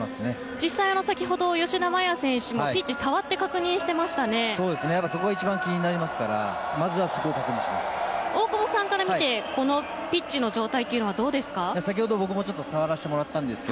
実際、先ほど吉田麻也選手もそこが一番気になりますから大久保さんから見てこのピッチの状態はどうですか。